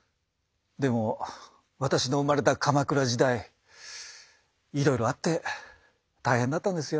でも私の生まれた鎌倉時代いろいろあって大変だったんですよ。